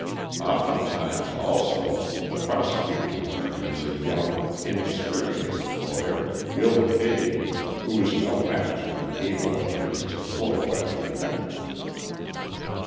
Oftentimes, also, the prosecuting attorney is a young, inexperienced lawyer, ill paid, who is no match for the able attorneys employed by the defendant.